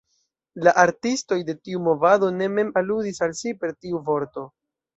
La artistoj de tiu movado ne mem aludis al si per tiu vorto.